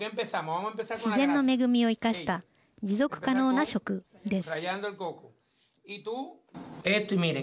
自然の恵みを生かした持続可能な食です。